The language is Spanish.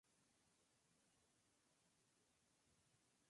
Sin embargo, el Director de Asuntos Corporativos de Carrefour negó esta acusación.